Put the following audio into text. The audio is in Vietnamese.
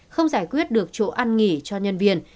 không giải quyết được chỗ ăn nghỉ cho nhân viên